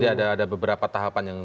jadi ada beberapa tahapan yang